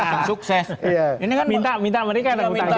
ini kan minta mereka